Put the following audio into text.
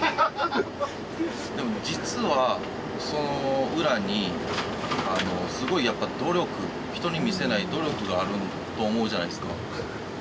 でも実は、その裏に、すごいやっぱ努力、人に見せない努力があると思うじゃないですか。